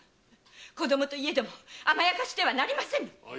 子供といえども甘やかしてはなりませぬ‼